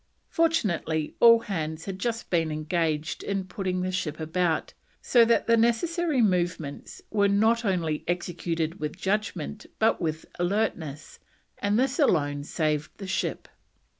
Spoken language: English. Fortunately all hands had just been engaged in putting the ship about, "so that the necessary movements were not only executed with judgment but with alertness, and this alone saved the ship."